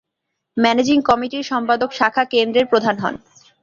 Managing কমিটির সম্পাদক শাখা কেন্দ্রের প্রধান হন।